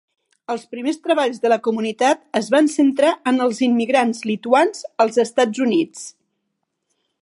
Els primers treballs de la comunitat es van centrar en els immigrants lituans als Estats Units.